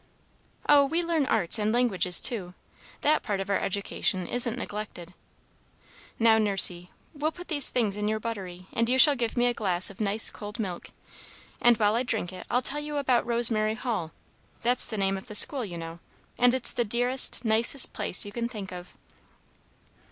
"Oh, we learn arts and languages, too, that part of our education isn't neglected. Now, Nursey, we'll put these things in your buttery, and you shall give me a glass of nice cold milk; and while I drink it I'll tell you about Rosemary Hall, that's the name of the school, you know; and it's the dearest, nicest place you can think of."